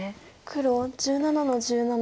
黒１７の十七。